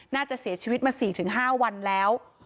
น่าจะเสียชีวิตมา๔๕วันแล้ว